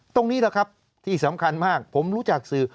ตรงนี้แหละครับที่สำคัญมากผมรู้จักสื่อ